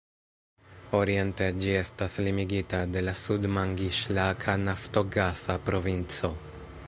Oriente ĝi estas limigita de la Sud-Mangiŝlaka naftogasa provinco.